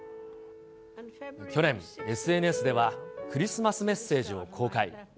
去年、ＳＮＳではクリスマスメッセージを公開。